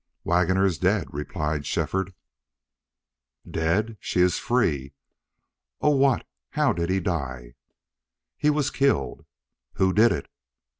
"Waggoner is dead," replied Shefford. "Dead? She is free! Oh, what how did he die?" "He was killed." "Who did it?"